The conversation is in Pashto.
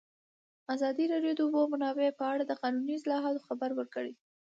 ازادي راډیو د د اوبو منابع په اړه د قانوني اصلاحاتو خبر ورکړی.